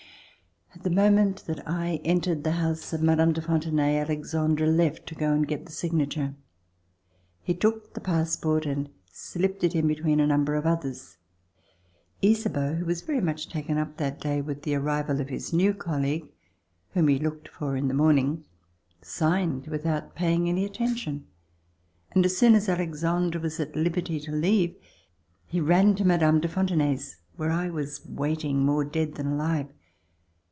At the moment that I entered the house of Mme. de Fontenay, Alexandre left to go and get the signa ture. He took the passport and slipped it in between a number of others. Ysabeau who was very much taken up that day with the arrival of his new col league, whom he looked for in the morning, signed without paying any attention, and as soon as Alexandre was at liberty to leave, he ran to Mme. de Fontenay's where I was waiting more dead than alive.